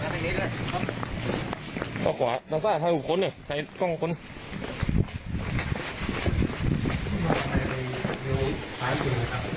ที่เหลือเอากระดาษมาจดชื่อชื่ออะไร